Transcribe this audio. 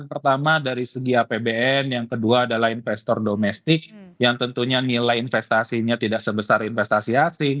pertama dari segi apbn yang kedua adalah investor domestik yang tentunya nilai investasinya tidak sebesar investasi asing